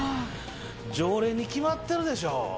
常連に決まってるでしょう！